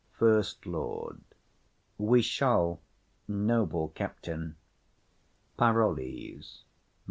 FIRST LORD. We shall, noble captain. PAROLLES.